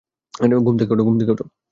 ঘুম থেকে ওঠ!